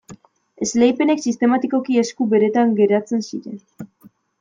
Esleipenak sistematikoki esku beretan geratzen ziren.